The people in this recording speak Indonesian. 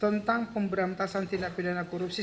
tentang pemberantasan tindak pidana korupsi